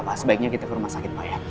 pak sebaiknya kita ke rumah sakit pak ya